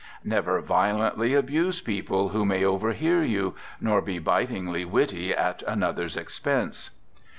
Never violently abuse people who may overhear you, nor be bitingly witty at another's expense.